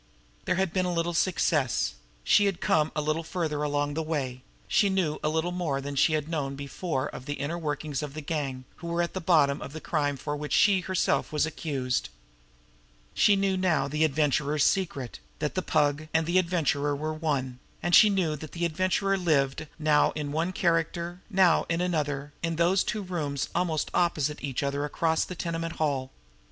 There had been a little success; she had come a little farther along the way; she knew a little more than she had known before of the inner workings of the gang who were at the bottom of the crime of which she herself was accused. She knew now the Adventurer's secret, that the Pug and the Adventurer were one; and she knew where the Adventurer lived, now in one character, now in the other, in those two rooms almost opposite each other across that tenement hall.